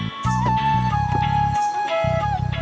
kita akan mencari penumpang yang lebih baik